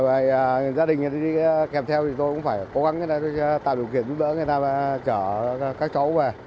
và gia đình kèm theo thì tôi cũng phải cố gắng để tạo điều kiện giúp đỡ người ta trở các cháu về